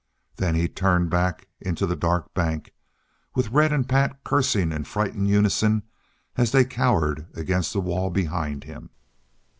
Then he turned back into the dark bank, with Red and Pat cursing in frightened unison as they cowered against the wall behind him.